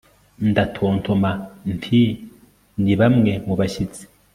ndatontoma nti 'ni bamwe mu bashyitsi